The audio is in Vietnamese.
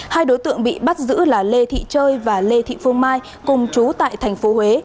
hai đối tượng bị bắt giữ là lê thị trơi và lê thị phương mai cùng chú tại tp huế